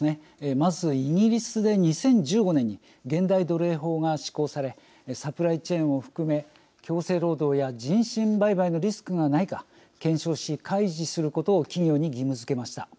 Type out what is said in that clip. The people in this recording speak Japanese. まずイギリスで２０１５年に現代奴隷法が施行されサプライチェーンを含め強制労働や人身売買のリスクがないか検証し開示することを企業に義務づけました。